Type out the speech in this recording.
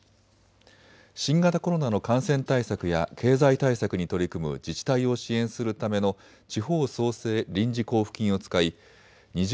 新型コロナの感染対策や経済対策に取り組む自治体を支援するための地方創生臨時交付金を使い２０